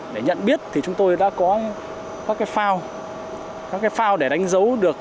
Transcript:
để nhận biết thì chúng tôi đã có các phao để đánh dấu được